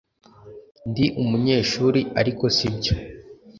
Ndi umunyeshuri ariko sibyo